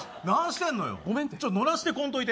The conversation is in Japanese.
ちょっとノラしてこんといて。